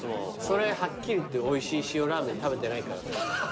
それはっきり言っておいしい塩ラーメン食べてないからだよ。